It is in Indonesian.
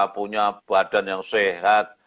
punya badan yang sehat